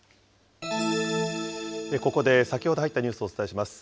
ここで先ほど入ったニュースをお伝えします。